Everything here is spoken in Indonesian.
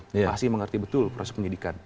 masih mengerti betul proses penyidikan